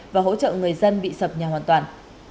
và hỗ trợ người dân bị sập nhà hoàn toàn